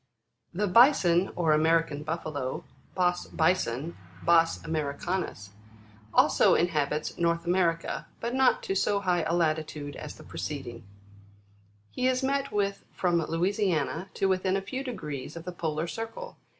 16. The Bison, or American Buffalo, Bos Rison ; Kos Ameri canus, also inhabits North America, but not to so high a latitude as the preceding. He is met with from Louisiana to within a few degrees of the polar circle.